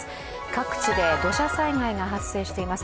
各地で土砂災害が発生しています。